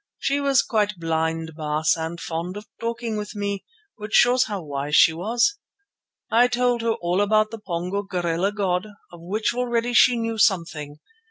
She was quite blind, Baas, and fond of talking with me—which shows how wise she was. I told her all about the Pongo gorilla god, of which already she knew something.